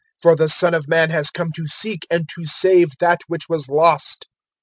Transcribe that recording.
019:010 For the Son of Man has come to seek and to save that which was lost."